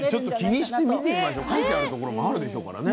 書いてあるところもあるでしょうからね。